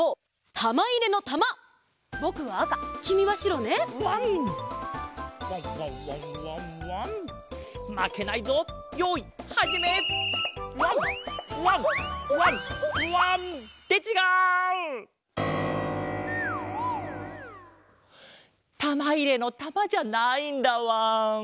たまいれのたまじゃないんだわん。